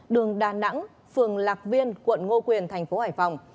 đường đà nẵng phường lạc viên quận ngô quyền thành phố hải phòng